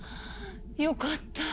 よかった。